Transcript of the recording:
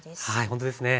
ほんとですね。